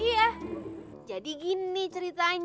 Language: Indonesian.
iya jadi gini ceritanya